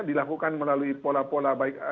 dilakukan melalui pola pola baik